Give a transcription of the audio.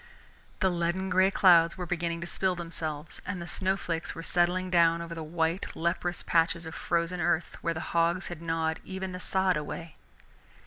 The leaden gray clouds were beginning to spill themselves, and the snow flakes were settling down over the white leprous patches of frozen earth where the hogs had gnawed even the sod away.